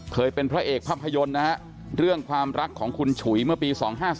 เคยเป็นพระเอกภาพยนตร์นะฮะเรื่องความรักของคุณฉุยเมื่อปี๒๕๔